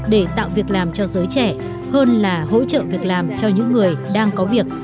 để tạo việc làm cho giới trẻ hơn là hỗ trợ việc làm cho những người đang có việc